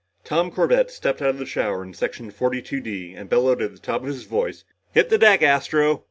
Tom Corbett stepped out of the shower in Section 42 D and bellowed at the top of his voice. "Hit the deck, Astro!